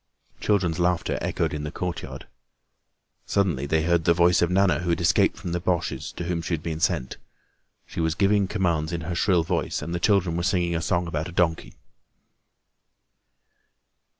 Children's laughter echoed in the courtyard. Suddenly they heard the voice of Nana, who had escaped from the Boches to whom she had been sent. She was giving commands in her shrill voice and the children were singing a song about a donkey.